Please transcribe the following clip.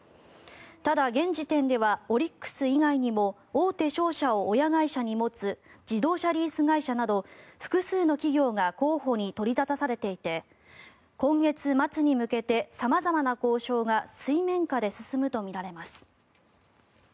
ただ、現時点ではオリックス以外にも大手商社を親会社に持つ自動車リース会社など複数の企業が候補に取り沙汰されていて今月末に向けて様々な交渉が水面下で進むとみられます。